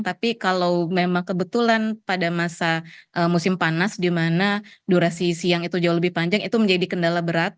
tapi kalau memang kebetulan pada masa musim panas di mana durasi siang itu jauh lebih panjang itu menjadi kendala berat